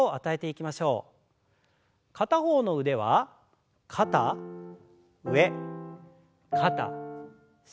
片方の腕は肩上肩下。